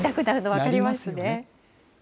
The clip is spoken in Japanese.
分かりますね。